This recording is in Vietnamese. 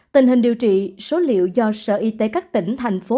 tình hình điều trị số liệu do sở y tế các tỉnh thành phố